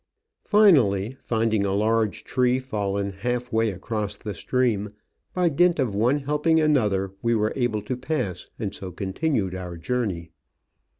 Finally, finding a large tree fallen half way across the stream, by dint of one helping another we were able to pass, and so continued our journey.